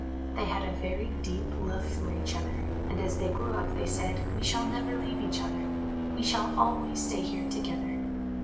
They had a very deep love for each other and as they grew up they said, "We shall never leave each other. We shall always stay here together."